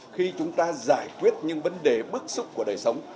khi chúng ta giải quyết những vấn đề bức xúc của đời sống